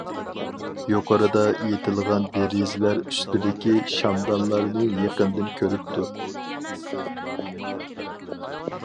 يۇقىرىدا ئېيتىلغان دېرىزىلەر ئۈستىدىكى شامدانلارنى يېقىندىن كۆرۈپتۇ.